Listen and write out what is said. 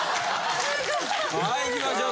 さあいきましょう！